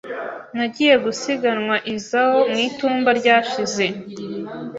Nagiye gusiganwa i Zao mu itumba ryashize.